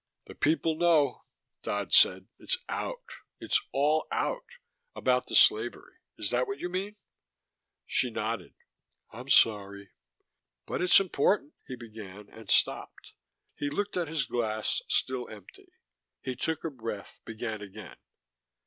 "The people know," Dodd said. "It's out. It's all out. About the slavery. Is that what you mean?" She nodded. "I'm sorry." "But it's important " he began, and stopped. He looked at his glass, still empty. He took a breath, began again.